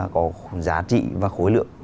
có giá trị và khối lượng